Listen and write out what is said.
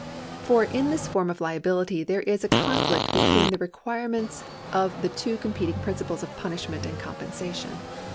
For in this form of liability there is a conflict between the requirements of the two (competing principles of punishment and compensation.